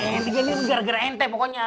ya ente gara gara ente pokoknya